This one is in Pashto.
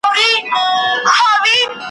په کابل کي د بهرنیو چارو وزارت مخي ته ,